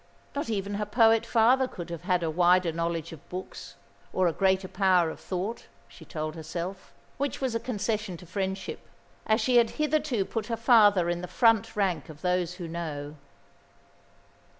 Not even her poet father could have had a wider knowledge of books, or a greater power of thought, she told herself; which was a concession to friendship, as she had hitherto put her father in the front rank of those who know.